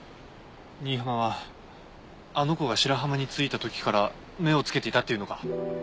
新浜はあの子が白浜に着いた時から目を付けていたっていうのか？